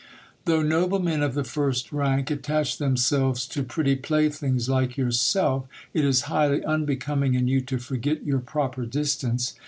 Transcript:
Though noblemen of the first rank attach themselves to pretty playthings like yourself, it is highly unbecoming in you to forget your proper distance.